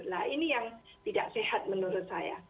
nah ini yang tidak sehat menurut saya